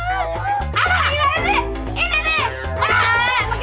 apalah ini ini ini